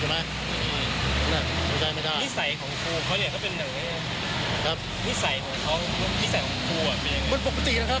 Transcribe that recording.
เป็นวิสัยส่วนตัวของเขานะ